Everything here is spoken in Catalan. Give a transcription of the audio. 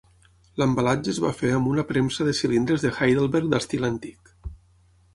L'embalatge es va fer amb una premsa de cilindres de Heidelberg d'estil antic.